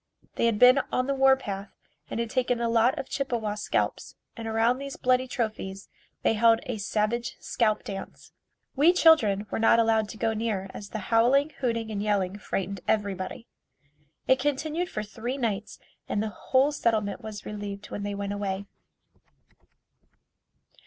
They had been on the war path and had taken a lot of Chippewa scalps and around these bloody trophies they held a savage scalp dance. We children were not allowed to go near as the howling, hooting and yelling frightened everybody. It continued for three nights and the whole settlement was relieved when they went away.